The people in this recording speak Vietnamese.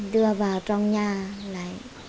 đưa vào trong nhà